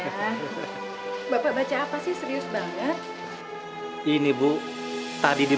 ganti apel bija mila gantiin